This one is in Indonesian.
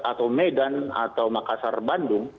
atau medan atau makassar bandung